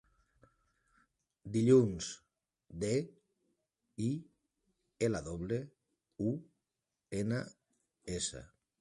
Dilluns: de, i, ela doble, u, ena, essa.